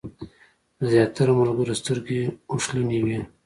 د زیاترو ملګرو سترګې اوښلنې وې.